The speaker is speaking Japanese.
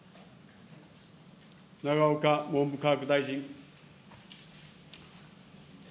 永岡文部科学大臣。